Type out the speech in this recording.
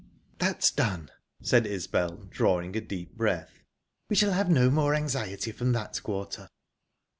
"That's done!" said Isbel, drawing a deep breath. "We shall have no more anxiety from that quarter."